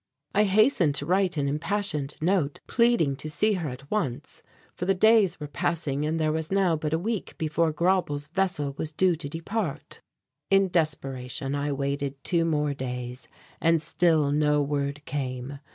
I hastened to write an impassioned note, pleading to see her at once, for the days were passing and there was now but a week before Grauble's vessel was due to depart. In desperation I waited two more days, and still no word came.